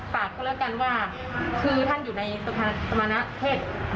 ฝากเขาแล้วกันว่าคือท่านอยู่ในสมรรถเทศ